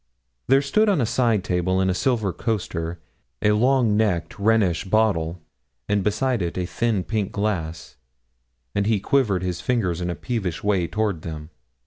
There stood on a side table, in its silver coaster, a long necked Rhenish bottle, and beside it a thin pink glass, and he quivered his fingers in a peevish way toward them.